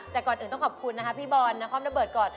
แต่ก่อนอื่นต้องขอบคุณนะคะพี่บอลนาคอมระเบิดก่อน